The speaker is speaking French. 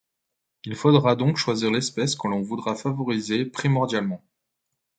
Il faudra donc choisir l’espèce que l’on voudra favoriser primordialement.